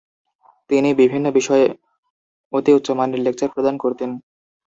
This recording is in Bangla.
তিনি বিভিন্ন বিষয়ে অতি উচ্চমানের লেকচার প্রদান করতেন।